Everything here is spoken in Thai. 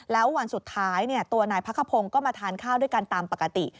แล้ววันสุดท้ายตัวนายพักขพงศ์ก็มาทานข้าวด้วยกันตามปกติ